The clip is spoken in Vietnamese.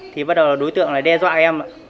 thì bắt đầu là đối tượng đe dọa em